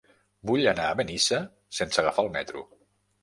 Vull anar a Benissa sense agafar el metro.